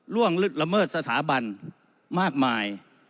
ล่วงลึกละเมิดสถาบันมากมาย